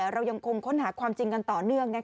เรายังคงค้นหาความจริงกันต่อเนื่อง